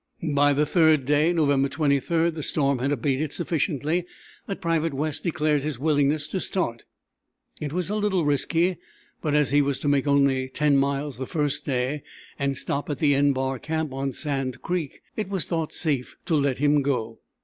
By the third day, November 23, the storm had abated sufficiently that Private West declared his willingness to start. It was a little risky, but as he was to make only 10 miles the first day and stop at the =N= bar camp on Sand Creek, it was thought safe to let him go.